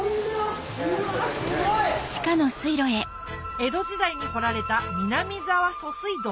江戸時代に掘られた南沢疎水道